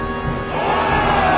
お！